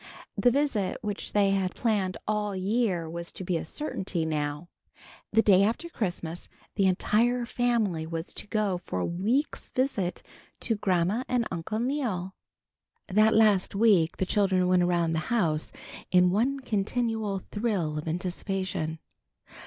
The visit which they had planned all year was to be a certainty now. The day after Christmas the entire family was to go for a week's visit, to Grandma and Uncle Neal. That last week the children went around the house in one continual thrill of anticipation.